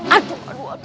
aduh aduh aduh